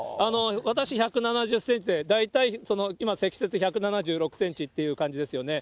私、１７０センチで、大体今、積雪１７６センチという感じですよね。